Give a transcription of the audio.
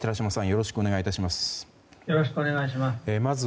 よろしくお願いします。